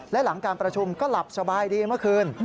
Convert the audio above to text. และหลังการประชุมก็หลับสบายดีเมื่อคืน